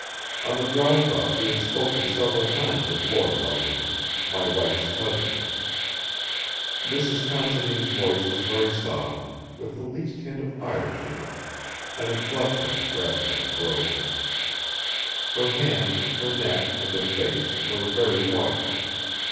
On the drive up he had spoken several times of Lord Halberton, "my wife's cousin." Mrs. Considine's voice was very soft, with the least hint of Irish in it, an inflection rather than a brogue. Her hands, her neck and her face were very white.